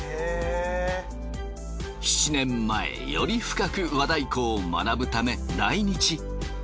７年前より深く和太鼓を学ぶため来日。